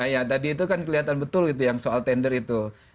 ya tadi itu kan kelihatan betul gitu yang soal tender itu